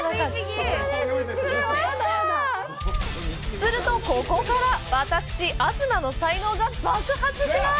するとここから私、東の才能が爆発します！